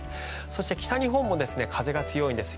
そして、北日本も風が強いんです。